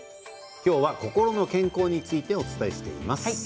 今日は心の健康についてお伝えしています。